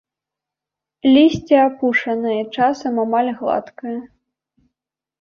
Лісце апушанае, часам амаль гладкае.